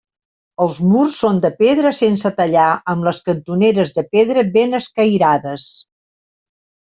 Els murs són de pedra sense tallar amb les cantoneres de pedra ben escairades.